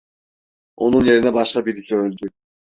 Onun yerine başka birisi öldü…